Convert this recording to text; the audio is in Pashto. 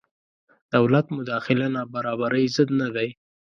دولت مداخله نابرابرۍ ضد نه دی.